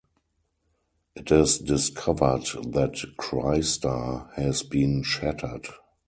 It is discovered that Crystar has been shattered.